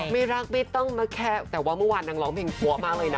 ไม่รักไม่ต้องมาแคะแต่ว่าเมื่อวานนางร้องเพลงปั๊วมากเลยนะ